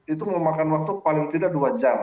itu memakan waktu paling tidak dua jam